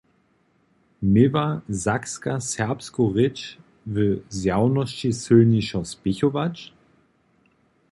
Měła Sakska serbsku rěč w zjawnosći sylnišo spěchować?